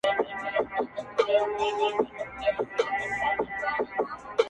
نه دا چې له مینې ښکلا زیږي